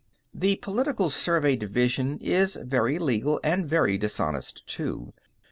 The Political Survey Division is very legal and very dishonest, too.